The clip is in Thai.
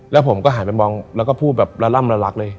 แล้วผมก็หันไปมองแล้วก็พูดแบบละล่ำละลักเลย